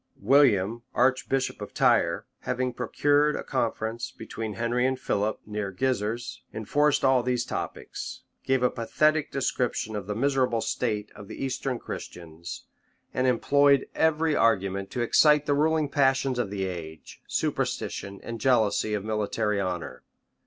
{1188.} William, archbishop of Tyre, having procured a conference between Henry and Philip near Gisors, enforced all these topics; gave a pathetic description of the miserable state of the eastern Christians; and employed every argument to excite the ruling passions of the age, superstition, and jealousy of military honor.